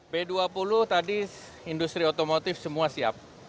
b dua puluh tadi industri otomotif semua siap